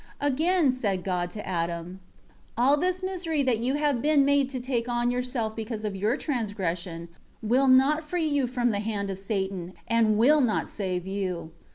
3 Again said God to Adam, "All this misery that you have been made to take on yourself because of your transgression, will not free you from the hand of Satan, and will not save you.